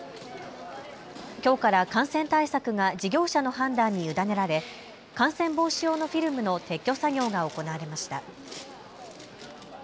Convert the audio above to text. きょうから感染対策が事業者の判断に委ねられ感染防止用のフィルムの撤去作業が行われました。